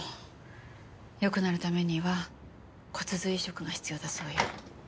よくなるためには骨髄移植が必要だそうよ。